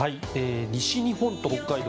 西日本と北海道